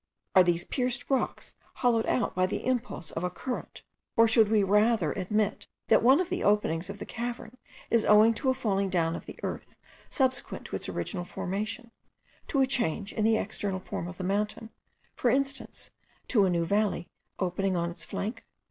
Are these pierced rocks hollowed out by the impulse of a current? or should we rather admit that one of the openings of the cavern is owing to a falling down of the earth subsequent to its original formation; to a change in the external form of the mountain, for instance, to a new valley opened on its flank?